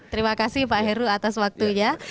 terima kasih pak heru atas waktunya